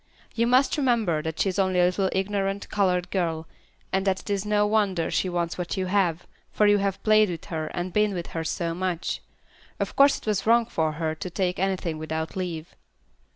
You must remember that she is only a little ignorant, colored girl, and that it is no wonder she wants what you have, for you have played with her, and been with her so much. Of course it was wrong for her to take anything without leave.